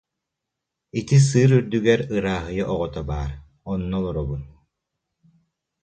Ити сыыр үрдүгэр ырааһыйа оҕото баар, онно олоробун